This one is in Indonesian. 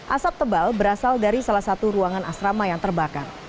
asap tebal berasal dari salah satu ruangan asrama yang terbakar